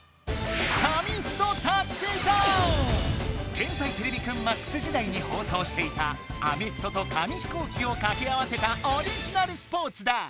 「天才てれびくんＭＡＸ」時だいにほうそうしていたアメフトと紙飛行機をかけ合わせたオリジナルスポーツだ！